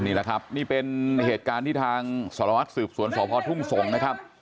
นี่แหละครับนี่เป็นเหตุการณ์ที่ทางสารวัตรสืบสวนสพทุ่งสงศ์นะครับ